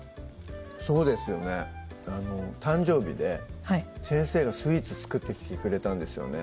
そうですよね誕生日で先生がスイーツ作ってきてくれたんですよね